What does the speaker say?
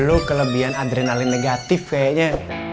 lu kelebihan adrenalin negatif kayaknya